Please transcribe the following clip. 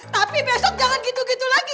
tapi besok jangan gitu gitu lagi